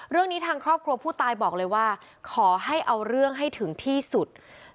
เรื่องนี้ทางครอบครัวผู้ตายบอกเลยว่าขอให้เอาเรื่องให้ถึงที่สุด